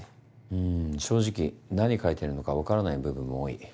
うん正直何書いてるのかわからない部分も多い。